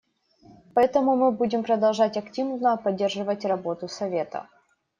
Поэтому мы будем продолжать активно поддерживать работу Совета.